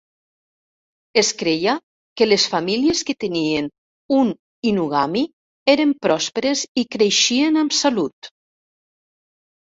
Es creia que les famílies que tenien un inugami eren pròsperes i creixien amb salut.